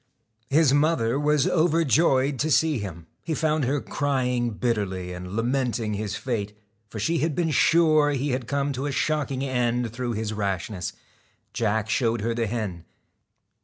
His mother was overjoyed to see him ; he found her crying bitterly, and lamenting his fate, for she had made sure he had come to a shocking end through his rashness. Jack showed her the hen.